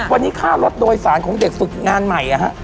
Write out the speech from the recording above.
วันนี้ค่ารถโดยสารของเด็กฝึกงานใหม่